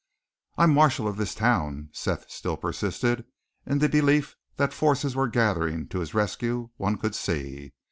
"I'm marshal of this town," Seth still persisted, in the belief that forces were gathering to his rescue, one could see.